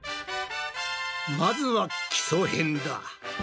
まずは基礎編だ！